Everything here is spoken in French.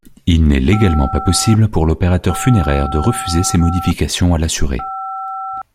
Il n'est légalement pas possible pour l'opérateur funéraire de refuser ces modifications à l'assuré.